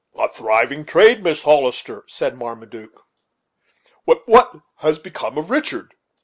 "A thriving trade, Mrs. Hollister," said Marmaduke. "But what has become of Richard?